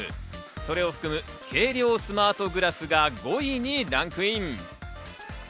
それを含む軽量スマートグラスが５位にランクイン。